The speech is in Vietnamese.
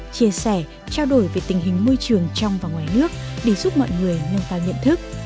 chia sẻ trao đổi về tình hình môi trường trong và ngoài nước để giúp mọi người nâng cao nhận thức